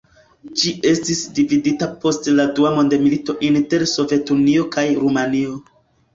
Ĝi estis dividita post la dua mondmilito inter Sovetunio kaj Rumanio.